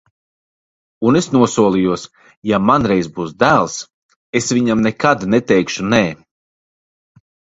Un es nosolījos: ja man reiz būs dēls, es viņam nekad neteikšu nē.